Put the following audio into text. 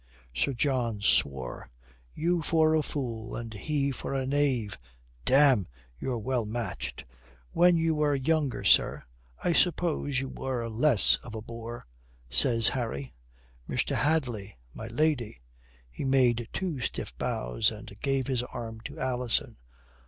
Sir John swore. "You for a fool and he for a knave, damme, you're well matched." "When you were younger, sir, I suppose you were less of a boor," says Harry. "Mr. Hadley my lady " he made two stiff bows and gave his arm to Alison.